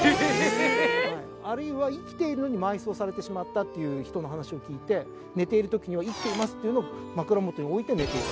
あるいは生きているのに埋葬されてしまったっていう人の話を聞いて寝ているときには「生きています」っていうのを枕元に置いて寝ていた。